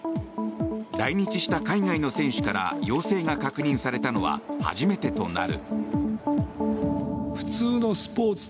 来日した海外の選手から陽性が確認されたのは初めてとなる。